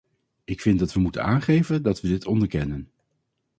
Ik vind dat we moeten aangeven dat we dit onderkennen.